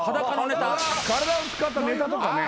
体を使ったネタとかね。